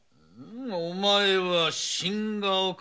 お前は新顔か？